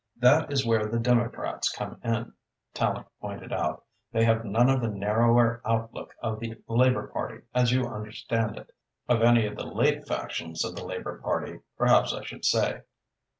"That is where the Democrats come in," Tallente pointed out. "They have none of the narrower outlook of the Labour Party as you understand it of any of the late factions of the Labour Party, perhaps I should say.